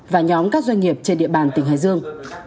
và nhóm các doanh nghiệp trên địa bàn tỉnh hải dương